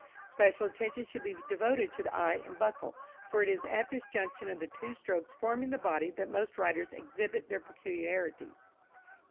Special attention should be devoted to the eye and buckle, for it is at this junction of the two strokes forming the body that most writers exhibit their peculiarities.